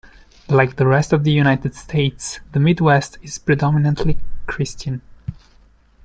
Like the rest of the United States, the Midwest is predominantly Christian.